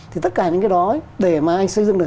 thì tất cả những cái đó để mà anh xây dựng được